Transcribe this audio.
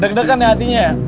deg degan ya hatinya ya